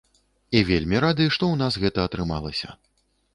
І вельмі рады, што ў нас гэта атрымалася.